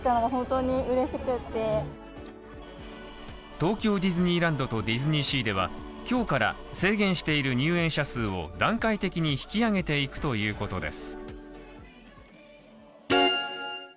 東京ディズニーランドとディズニーシーでは今日から制限している入園者数を段階的に引き上げていくということです。